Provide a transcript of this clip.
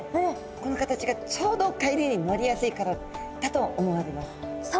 この形がちょうど海流に乗りやすいからだと思われます。